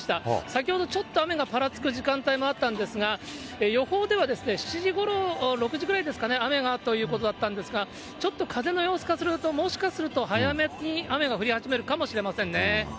先ほど、ちょっと雨がぱらつく時間帯もあったんですが、予報では７時ごろ、６時ぐらいですかね、雨がということだったんですが、ちょっと風の様子からすると、もしかすると、早めに雨が降り始めるかもしれませんね。